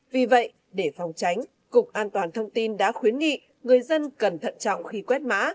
vì vậy để phòng tránh cục an toàn thông tin đã khuyến nghị người dân cần thận trọng khi quét mã